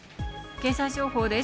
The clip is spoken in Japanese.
経済情報です。